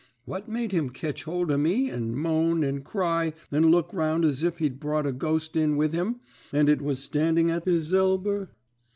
What made him ketch hold of me, and moan, and cry, and look round as if he'd brought a ghost in with him, and it was standing at his elber?